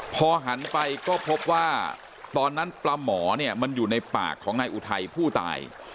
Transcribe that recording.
พอหันไปก็พบว่าตอนนั้นปลาหมอเนี่ยมันอยู่ในปากของนายอุทัยผู้ตาย